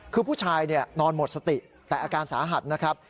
คือผู้ชายนอนหมดสติแต่อาการสาหัสนะครับ